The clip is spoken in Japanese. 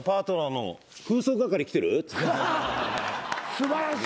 素晴らしい。